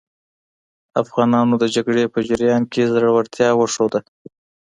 افغانانو د جګړې په جریان کې زړورتیا وښوده.